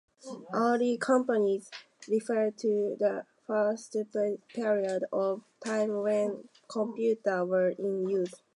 "Early computers" refers to a past period of time when computers were in use.